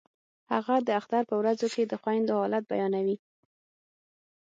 هغه د اختر په ورځو کې د خویندو حالت بیانوي